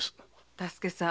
多助さん